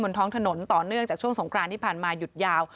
ท้องถนนต่อเนื่องจากช่วงสงครานที่ผ่านมาหยุดยาว